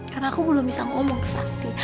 karena aku belum bisa ngomong ke sakti